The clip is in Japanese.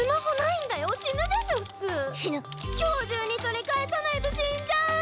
今日中に取り返さないと死んじゃう！！